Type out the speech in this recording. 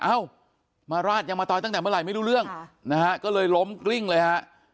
เอ้ามาราดยังมาตอยตั้งแต่เมื่อไหร่ไม่รู้เรื่องนะฮะก็เลยล้มกลิ้งเลยฮะ